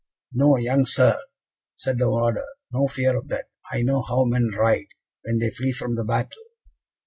"No, young Sir," said the warder, "no fear of that. I know how men ride when they flee from the battle."